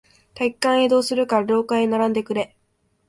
体育館へ移動するから、廊下へ並んでくれ。